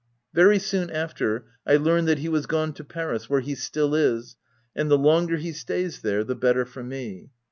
Very soon after, I learned that he was gone to Paris, where he still is, and the longer he stays there the better for me.